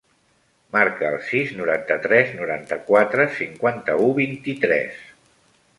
Marca el sis, noranta-tres, noranta-quatre, cinquanta-u, vint-i-tres.